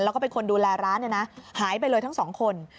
แล้วก็เป็นคนดูแลร้านเนี่ยนะหายไปเลยทั้งสองคน